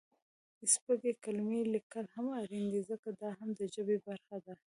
سپکې کلمې لیکل هم اړین دي ځکه، دا هم د ژبې برخه ده.